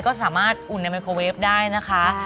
ก็สามารถอุ่นในไมโครเวฟได้นะคะ